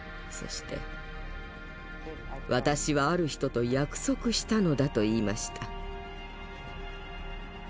そして「私はある人と約束したのだ」と言いました。